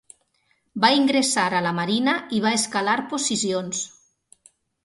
Va ingressar a la marina i va escalar posicions.